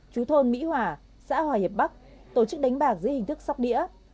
chú thôn mỹ hòa xã hòa hiệp bắc tổ chức đánh bạc dưới hình thức sóc đĩa